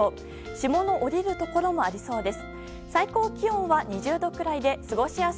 霜の降りるところもありそうです。